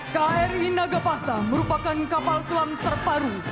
kri nagapasa merupakan kapal selam terparu